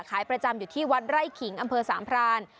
ขายประจำอยู่ที่วัดไร่ขิงอำเภอสามพราน